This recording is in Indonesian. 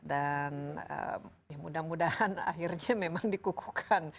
dan mudah mudahan akhirnya memang dikukukan